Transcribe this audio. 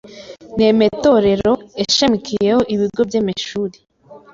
n’emetorero eshemikiyeho ibigo by’emeshuri.